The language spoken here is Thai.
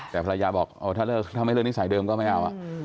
แต่ภรรยาบอกถ้าไม่เลิกนิสัยเดิมก็ไม่เอา